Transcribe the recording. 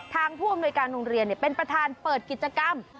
ผู้อำนวยการโรงเรียนเป็นประธานเปิดกิจกรรม